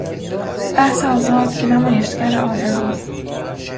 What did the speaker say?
بحث آزاد که نمایشگر آزادی است...